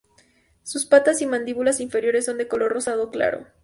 Sus patas y mandíbulas inferiores son de color rosado claro.